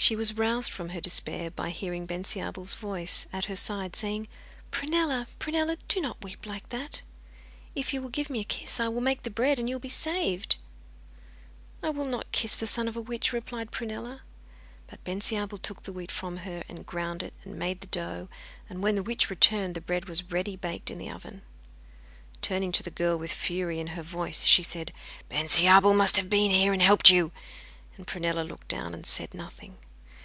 She was roused from her despair by hearing Bensiabel's voice at her side saying: 'Prunella, Prunella, do not weep like that. If you will give me a kiss I will make the bread, and you will be saved.' 'I will not kiss the son of a witch,' replied Prunella. But Bensiabel took the wheat from her, and ground it, and made the dough, and when the witch returned the bread was ready baked in the oven. Turning to the girl, with fury in her voice, she said: 'Bensiabel must have been here and helped you;' and Prunella looked down, and said nothing.